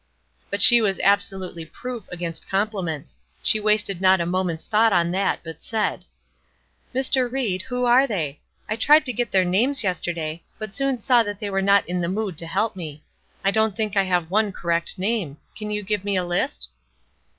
But she was absolutely proof against compliments. She wasted not a moment's thought on that, but said: "Mr. Ried, who are they? I tried to get their names yesterday, but soon saw that they were not in the mood to help me. I don't think I have one correct name. Can you give me a list?"